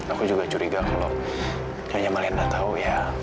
aku juga curiga kalau yang yang malah anda tahu ya